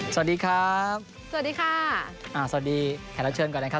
สวัสดีครับสวัสดีค่ะอ่าสวัสดีแขกรับเชิญก่อนนะครับ